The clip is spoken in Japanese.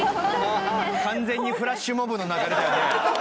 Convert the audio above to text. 完全にフラッシュモブの流れだよね。